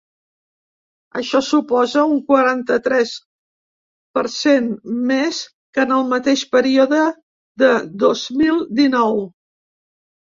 Això suposa un quaranta-tres per cent més que en el mateix període de dos mil dinou.